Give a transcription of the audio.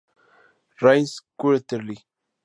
Renaissance Quarterly.